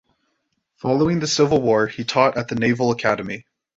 Following the Civil War, he taught at the Naval Academy.